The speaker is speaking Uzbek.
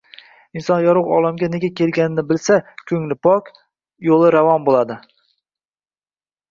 Inson yorug‘ olamga nega kelganini bilsa, ko‘ngli pok, yo‘li ravon bo‘ladi.